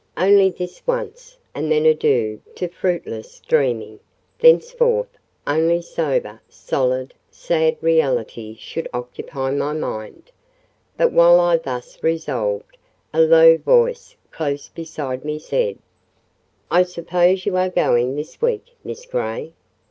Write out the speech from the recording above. Only this once, and then adieu to fruitless dreaming—thenceforth, only sober, solid, sad reality should occupy my mind. But while I thus resolved, a low voice close beside me said—"I suppose you are going this week, Miss Grey?"